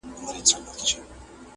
نان د پښتنو مهم خواړه دي.